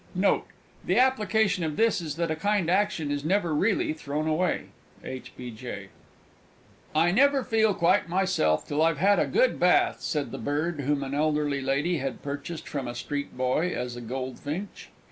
Note. The application of this is that a kind action is never really thrown away. H. B. J. "I never feel quite myself till I've had a good bath!" said the Bird whom an elderly Lady had purchased from a Street Boy as a Goldfinch.